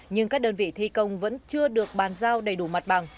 nhưng các đơn vị thi công vẫn chưa được bàn giao đầy đủ mặt bằng